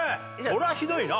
それはひどいな。